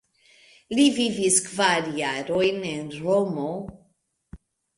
Li vivis kvar jarojn en Romo.